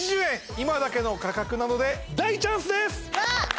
今だけの価格なので大チャンスです